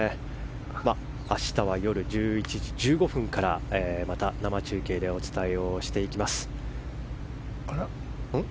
明日は夜１１時１５分からまた生中継でお伝えします。